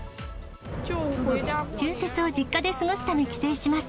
春節を実家で過ごすため帰省します。